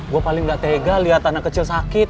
gue paling gak tega lihat anak kecil sakit